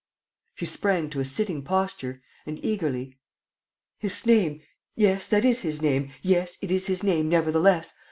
..." She sprang to a sitting posture and, eagerly: "His name! Yes, that is his name ... yes, it is his name nevertheless.